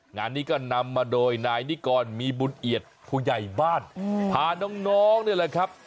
งานนี้ก็นำมาโดยนายนิกรมีบุญเอียดผู้ใหญ่บ้านพาน้องนี่แหละครับ